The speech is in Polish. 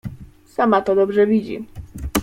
— Sama to dobrze widzi.